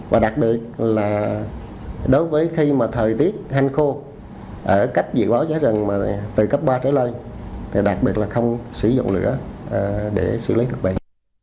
và đặc biệt là đối với khi mà thời tiết hành khô ở cách dịu báo cháy rừng từ cấp ba trở lên thì đặc biệt là không sử dụng lửa để xử lý thực bì